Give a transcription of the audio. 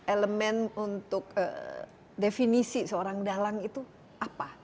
elemen untuk definisi seorang dalang itu apa